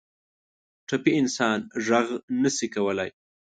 ټپي انسان غږ نه شي کولی.